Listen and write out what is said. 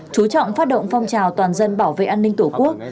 chú trọng phát động phong trào toàn dân bảo vệ an ninh tổ quốc